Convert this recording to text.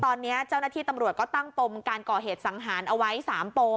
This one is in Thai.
ตอนนี้เจ้าหน้าที่ตำรวจก็ตั้งปมการก่อเหตุสังหารเอาไว้๓ปม